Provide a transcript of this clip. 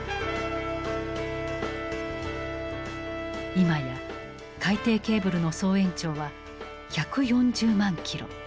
今や海底ケーブルの総延長は１４０万キロ。